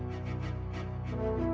aku harus melayanginya dengan baik